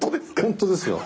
本当ですよ。